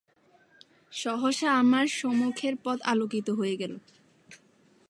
সহসা আমার সমুখের পথ আলোকিত হয়ে গেল।